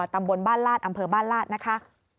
ตำบลบ้านลาดอำเภอบ้านลาดนะคะ